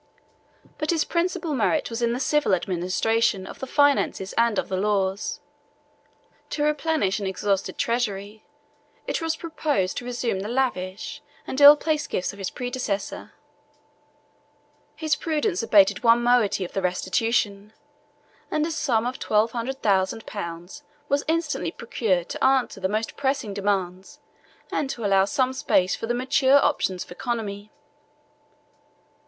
But his principal merit was in the civil administration of the finances and of the laws. To replenish an exhausted treasury, it was proposed to resume the lavish and ill placed gifts of his predecessor: his prudence abated one moiety of the restitution; and a sum of twelve hundred thousand pounds was instantly procured to answer the most pressing demands, and to allow some space for the mature operations of economy.